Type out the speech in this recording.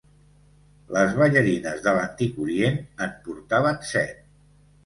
Les ballarines de l'antic Orient en portaven set.